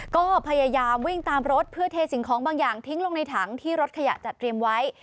ก็พยายามวิ่งตามรถเพื่อเทสิ่งของบางอย่างทิ้งลงในถังที่รถขยะจัดเตรียมไว้